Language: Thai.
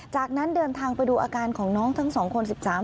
จากนั้นเดินทางไปดูอาการของน้องทั้ง๒คน๑๓คน